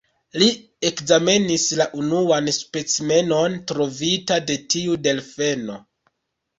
Li ekzamenis la unuan specimenon trovita de tiu delfeno.